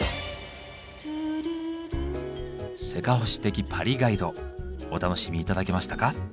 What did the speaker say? せかほし的パリガイド。お楽しみ頂けましたか？